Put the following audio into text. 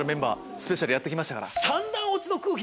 スペシャルやってきました。